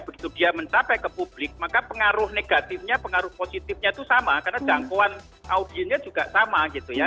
begitu dia mencapai ke publik maka pengaruh negatifnya pengaruh positifnya itu sama karena jangkauan audiennya juga sama gitu ya